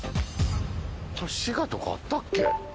滋賀とかあったっけ？